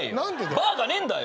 バーがねえんだよ。